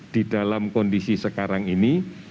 di dalam kondisi sekarang ini